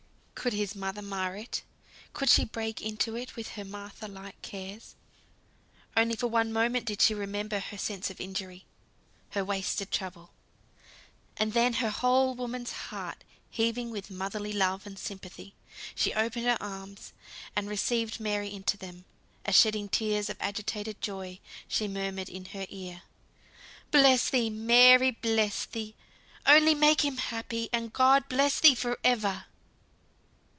Could his mother mar it? Could she break into it with her Martha like cares? Only for one moment did she remember her sense of injury, her wasted trouble, and then, her whole woman's heart heaving with motherly love and sympathy, she opened her arms, and received Mary into them, as, shedding tears of agitated joy, she murmured in her ear, "Bless thee, Mary, bless thee! Only make him happy, and God bless thee for ever!"